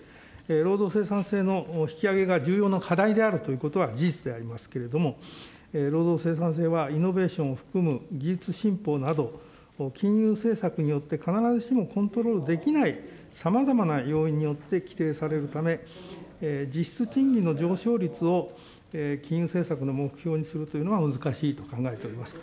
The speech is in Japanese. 労働生産性の引き上げが重要な課題であるということは事実でありますけれども、労働生産性は、イノベーションを含む技術進歩など、金融政策によって必ずしもコントロールできない、さまざまな要因によって規定されるため、実質賃金の上昇率を金融政策の目標にするというのは難しいと考えております。